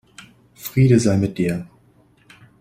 Friede sei mit dir.